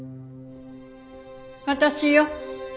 私よ。